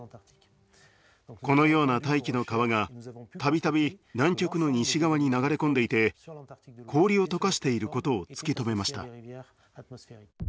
このような大気の川が度々南極の西側に流れ込んでいて氷を解かしていることを突き止めました。